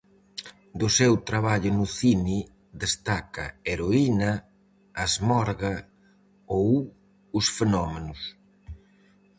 Do seu traballo no cine destaca Heroína, A esmorga ou Os fenómenos.